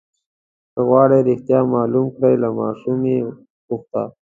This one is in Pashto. که غواړئ رښتیا معلوم کړئ له ماشوم یې وپوښته.